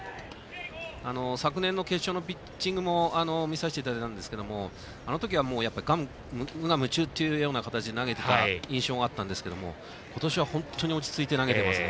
昨年の決勝のピッチングも見させていただいたんですがあのときは無我夢中という形で投げていた印象があったんですが今年は本当に落ち着いて投げています。